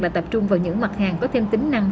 là tập trung vào những mặt hàng có thêm tính năng